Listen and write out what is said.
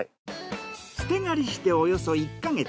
捨て刈りしておよそ１か月。